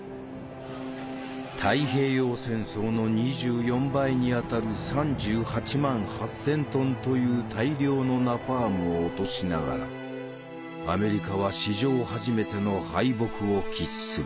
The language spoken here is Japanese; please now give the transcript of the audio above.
太平洋戦争の２４倍にあたる３８万８，０００トンという大量のナパームを落としながらアメリカは史上初めての敗北を喫する。